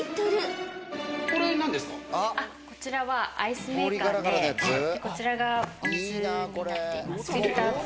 こちらはアイスメーカーでこちらがお水になっています。